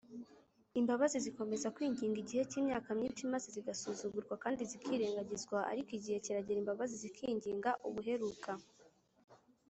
imbabazi zikomeza kwinginga igihe cy’imyaka myishi maze zigasuzugurwa kandi zikirengagizwa; ariko igihe kiragera imbabazi zikinginga ubuheruka